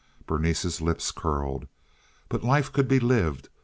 Berenice's lip curled. But life could be lived.